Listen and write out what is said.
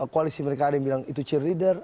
koalisi mereka ada yang bilang itu cheerleader